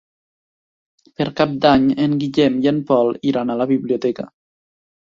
Per Cap d'Any en Guillem i en Pol iran a la biblioteca.